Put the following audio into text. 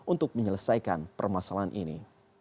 untuk menyelesaikan permasalahan ini